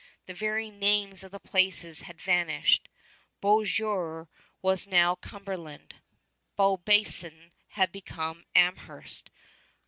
The very names of the places had vanished. Beauséjour was now Cumberland. Beaubassin had become Amherst.